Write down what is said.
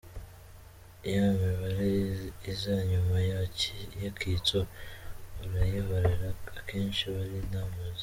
Ya mibare iza inyuma y’akitso urayihorera akenshi iba ari n’amazeru.